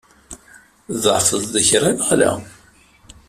Tḍeɛfeḍ-d kra, neɣ ala?